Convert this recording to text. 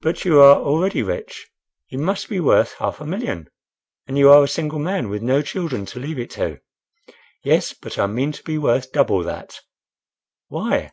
"But you are already rich—you must be worth half a million? and you are a single man, with no children to leave it to." "Yes, but I mean to be worth double that." "Why?"